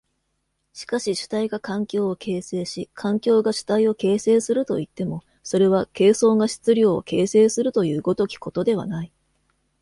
しかし主体が環境を形成し環境が主体を形成するといっても、それは形相が質料を形成するという如きことではない。